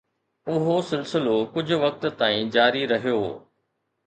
اهو سلسلو ڪجهه وقت تائين جاري رهيو.